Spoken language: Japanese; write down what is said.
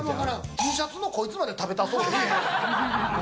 Ｔシャツのこいつまで食べたそうですね。